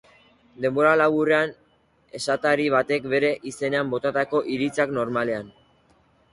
Denbora laburrean esatari batek bere izenean botatako iritziak normalean.